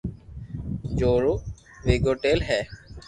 جو رو ويگوتيل ھي